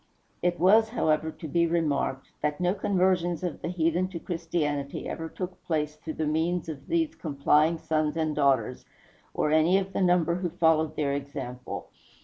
It was, however, to be remarked, that no conversions of the heathen to Christianity ever took place through the means of these complying sons and daughters, or any of the number who followed their example.